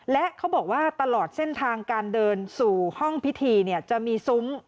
และเขาบอกว่าตลอดเส้นทางการเดินสู่ห้องพิธีจะมีซุ้ม